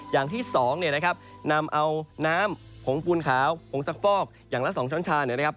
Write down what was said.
อย่างที่สองเนี่ยนะครับนำเอาน้ำผงปูนขาวผงซักฟอกอย่างละ๒ช้อนชาเนี่ยนะครับ